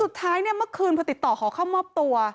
สุดท้ายเนี่ยเมื่อคืนพอติดต่อขอเข้ามอบตัว